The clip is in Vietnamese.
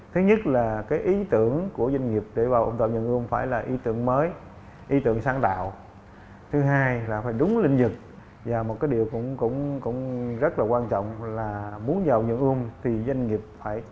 thứ nhất là cái ý tưởng của doanh nghiệp để vào ươm tạo doanh nghiệp